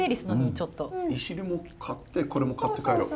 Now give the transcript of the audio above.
いしるも買ってこれも買って帰ろう。